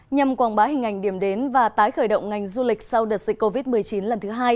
nhằm quảng bá hình ảnh điểm đến và tái khởi động ngành du lịch sau đợt dịch covid một mươi chín lần thứ hai